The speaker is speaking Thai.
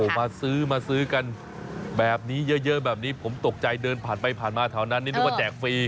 มาซื้อมาซื้อกันแบบนี้เยอะแบบนี้ผมตกใจเดินผ่านไปผ่านมาแถวนั้นนี่นึกว่าแจกฟรี